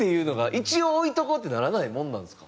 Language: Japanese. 一応置いとこうってならないもんなんですか？